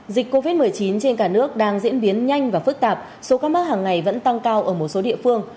dịch covid một mươi chín trên cả nước đang diễn biến nhanh và phức tạp số các mắc hàng ngày vẫn tăng cao ở một số địa phương